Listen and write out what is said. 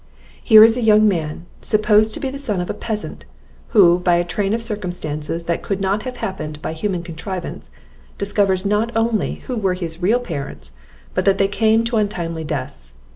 "Here is a young man, supposed the son of a peasant, who, by a train of circumstances that could not have happened by human contrivance, discovers not only who were his real parents, but that they came to untimely deaths.